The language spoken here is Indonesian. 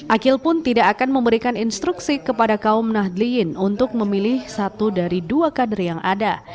akil pun tidak akan memberikan instruksi kepada kaum nahdliyin untuk memilih satu dari dua kader yang ada